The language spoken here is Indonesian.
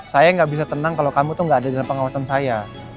saya nggak bisa tenang kalau kamu tuh nggak ada dalam pengawasan saya